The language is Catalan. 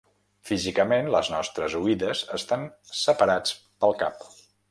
Físicament les nostres oïdes estan separats pel cap.